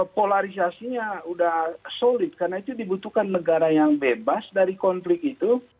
polarisasinya sudah solid karena itu dibutuhkan negara yang bebas dari konflik itu